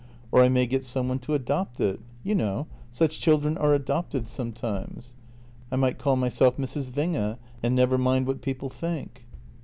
Or I may get some one to adopt it; you know, such children are adopted sometimes. I might call myself Mrs. Winge and never mind what people think."